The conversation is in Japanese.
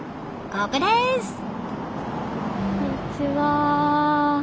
こんにちは。